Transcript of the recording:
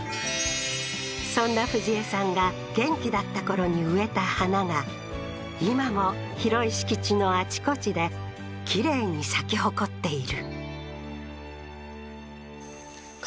そんな富士恵さんが元気だったころに植えた花が今も広い敷地のあちこちできれいに咲き誇っている